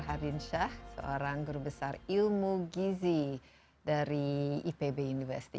hardin shah seorang guru besar ilmu gizi dari ipb university